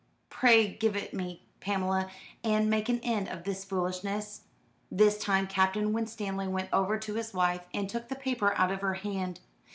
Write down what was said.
Pray give it me, Pamela, and make an end of this foolishness." This time Captain Winstanley went over to his wife, and took the paper out of her hand.